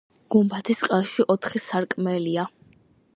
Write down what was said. გუმბათის ყელში ოთხი სარკმელია.